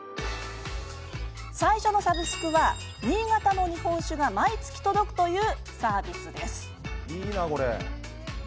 最初のサブスクは新潟の日本酒が毎月届くというサービスです。